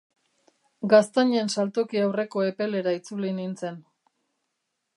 Gaztainen saltoki aurreko epelera itzuli nintzen.